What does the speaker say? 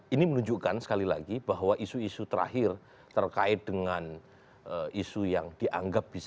ini menunjukkan sekali lagi bahwa isu isu terakhir terkait dengan isu yang dianggap bisa